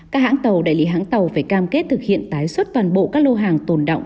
các hãng tàu đại lý hãng tàu phải cam kết thực hiện tái xuất toàn bộ các lô hàng tồn động